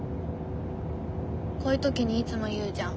こういう時にいつも言うじゃん？